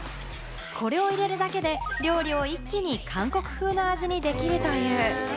これを入れるだけで、料理を一気に韓国風の味にできるという。